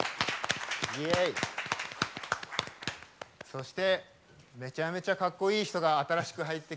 そしてめちゃめちゃかっこいい人が新しく入ってきましたよ。